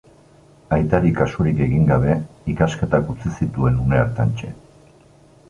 Aitari kasurik egin gabe, ikasketak utzi zituen une hartantxe.